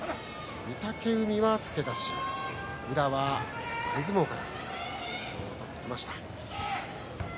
御嶽海は付け出し宇良は前相撲から上がってきました。